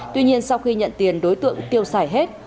tuy nhiên sau khi nhận tiền đối tượng tiêu xài hết